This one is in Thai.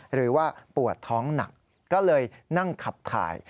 หรือว่าปวดท้องหนักก็เลยนั่งขับถ่าย